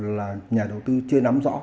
là nhà đầu tư chưa nắm rõ